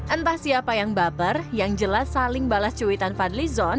entah siapa yang baper yang jelas saling balas cuitan fadli zon